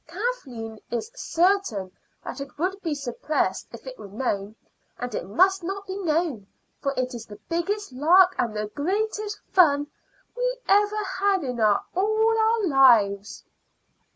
Kathleen is certain that it would be suppressed if it were known; and it must not be known, for it is the biggest lark and the greatest fun we ever had in all our lives."